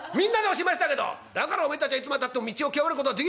「だからおめえたちはいつまでたっても道を極めることができねえんだ」。